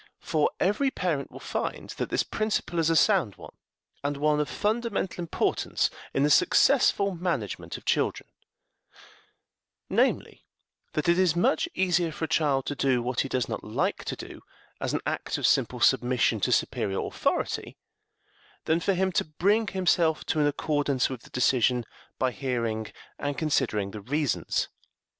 For every parent will find that this principle is a sound one and one of fundamental importance in the successful management of children namely, that it is much easier for a child to do what he does not like to do as an act of simple submission to superior authority, than for him to bring himself to an accordance with the decision by hearing and considering the reasons.